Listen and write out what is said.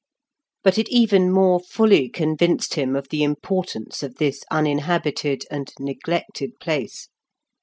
But it even more fully convinced him of the importance of this uninhabited and neglected place.